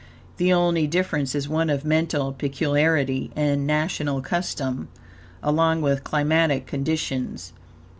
The only difference is one of mental peculiarity and national custom, along with climatic conditions.